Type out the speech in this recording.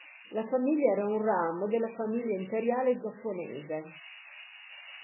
La famiglia era un ramo della famiglia imperiale giapponese.